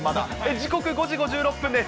時刻５時５６分です。